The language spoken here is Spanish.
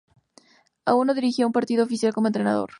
Aun no dirigió un partido oficial como entrenador.